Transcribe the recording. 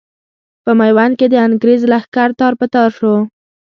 په ميوند کې د انګرېز لښکر تار په تار شو.